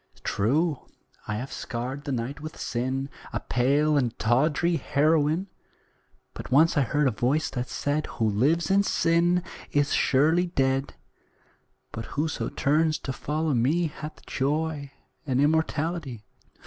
True, I have scarred the night with sin, A pale and tawdry heroine; But once I heard a voice that said 'Who lives in sin is surely dead, But whoso turns to follow me Hath joy and immortality.'"